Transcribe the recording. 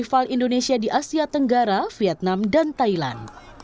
festival indonesia di asia tenggara vietnam dan thailand